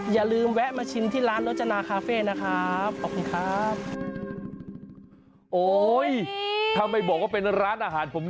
อย่าลืมแวะมาชินที่ร้านโรจนาคาเฟ่นะครับ